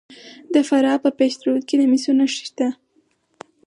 د فراه په پشت رود کې د مسو نښې شته.